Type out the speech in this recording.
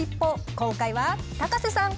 今回は高瀬さん。